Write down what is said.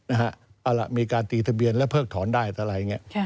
เอาล่ะมีการตีทะเบียนและเพิกถอนได้อะไรอย่างนี้